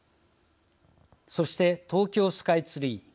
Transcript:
そして、東京スカイツリー。